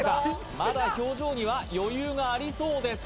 まだ表情には余裕がありそうです